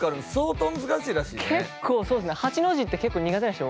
結構そうですね。